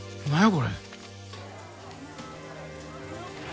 これ。